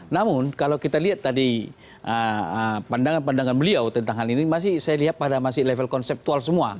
namun kalau kita lihat tadi pandangan pandangan beliau tentang hal ini masih saya lihat pada masih level konseptual semua